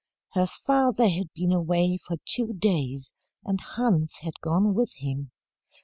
Her father had been away for two days, and Hans had gone with him.